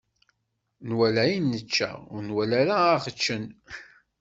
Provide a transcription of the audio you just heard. Nwala ayen nečča, ur nwala ara aɣ-yeččen.